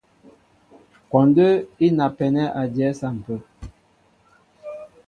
Kwɔndə́ í napɛnɛ́ a dyɛɛ á sampə̂.